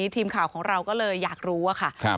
ทีมข่าวของเราก็เลยอยากรู้ว่าค่ะ